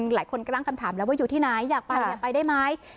หลายคนก็ตั้งคำถามแล้วว่าอยู่ที่ไหนอยากไปไปได้ไหม